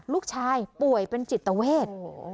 ลูกชายป่วยเป็นจิตเวท